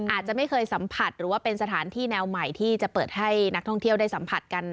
อาจจะไม่เคยสัมผัสหรือว่าเป็นสถานที่แนวใหม่ที่จะเปิดให้นักท่องเที่ยวได้สัมผัสกัน